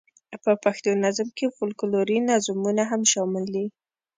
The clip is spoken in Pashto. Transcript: په پښتو نظم کې فوکلوري نظمونه هم شامل دي.